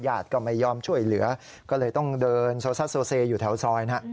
ญาติก็ไม่ยอมช่วยเหลือก็เลยต้องเดินโซซ่าโซเซอยู่แถวซอยนะ